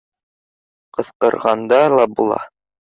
— Ҡысҡырғанда ла була